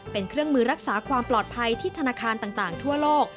เป็นเครื่องมือรักษาความปลอดภัยที่ธนาคารต่างทั่วโลก